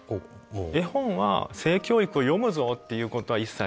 絵本は性教育を読むぞっていうことは一切してなくって。